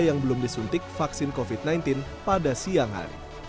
yang belum disuntik vaksin covid sembilan belas pada siang hari